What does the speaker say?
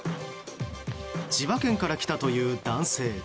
千葉県から来たという男性。